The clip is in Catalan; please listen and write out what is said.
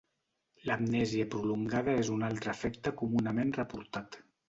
L'amnèsia prolongada és un altre efecte comunament reportat.